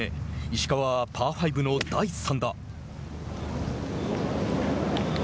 石川はパー５の第３打。